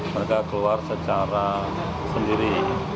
mereka keluar secara sendiri